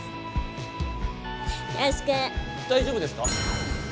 大丈夫ですか？